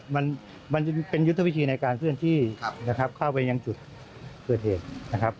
มันเป็นยุทธวิชีในการเพื่อนที่เข้าไปยังจุดเกิดเหตุ